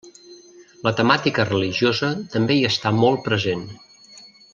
La temàtica religiosa també hi està molt present.